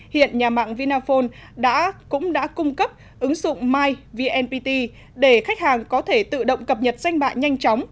hiện nhà mạng vinaphone cũng đã cung cấp ứng dụng my vnpt để khách hàng có thể tự động cập nhật danh bạ nhanh chóng